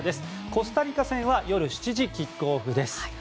コスタリカ戦は夜７時キックオフです。